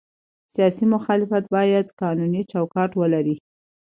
سیاسي مخالفت باید قانوني چوکاټ ولري